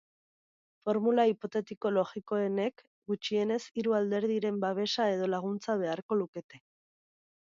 Formula hipotetiko logikoenek gutxienez hiru alderdiren babesa edo laguntza beharko lukete.